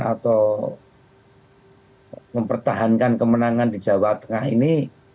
atau mempertahankan kemenangan di jawa tengah ini